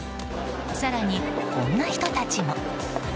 更に、こんな人たちも。